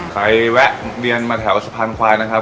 แวะเวียนมาแถวสะพานควายนะครับ